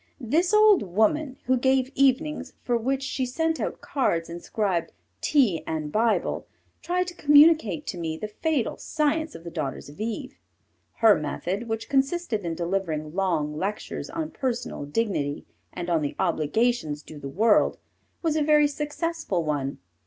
This old woman, who gave evenings for which she sent out cards inscribed Tea and Bible, tried to communicate to me the fatal science of the daughters of Eve. Her method, which consisted in delivering long lectures on personal dignity and on the obligations due the world, was a very successful one.